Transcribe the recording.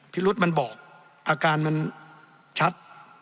รุษมันบอกอาการมันชัด